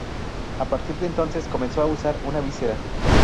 A partir de entonces, comenzó a usar una visera.